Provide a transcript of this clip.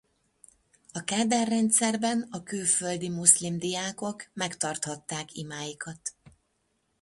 A Kádár-rendszerben a külföldi muszlim diákok megtarthatták imáikat.